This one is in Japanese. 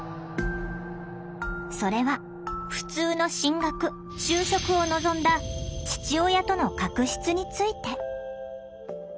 それは「ふつうの進学・就職」を望んだ父親との確執について。